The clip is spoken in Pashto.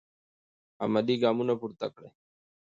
عملي ګامونه پورته کړئ.